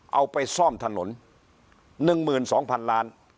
เอาไปซ่อมถนนหนึ่งหมื่นสองพันล้าน